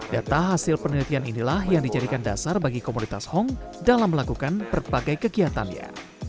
data hasil penelitian inilah yang dijadikan dasar bagi komunitas hong dalam melakukan berbagai kegiatannya